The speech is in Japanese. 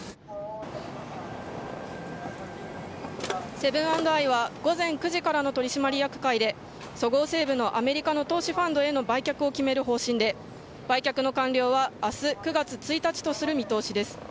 セブン＆アイは午前９時からの取締役会でそごう・西武のアメリカの投資ファンドへの売却を決める方針で売却の完了は明日９月１日とする見通しです。